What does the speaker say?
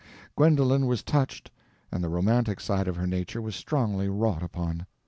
Gwendolen was touched, and the romantic side of her nature was strongly wrought upon.